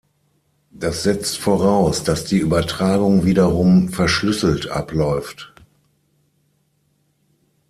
Das setzt voraus, dass die Übertragung wiederum verschlüsselt abläuft.